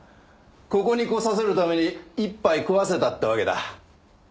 ここに来させるためにいっぱい食わせたってわけだ。